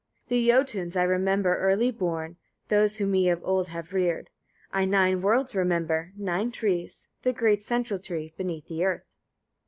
2. The Jötuns I remember early born, those who me of old have reared. I nine worlds remember, nine trees, the great central tree, beneath the earth.